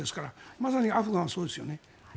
まさにアフガンはそうですよね。